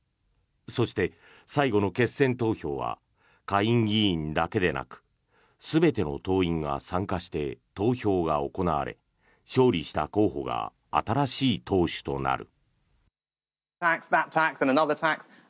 そして、最後の決選投票は下院議員だけでなく全ての党員が参加して投票が行われ勝利した候補が新しい党首となる。